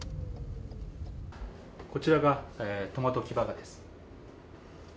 こちらがトマトキバガです。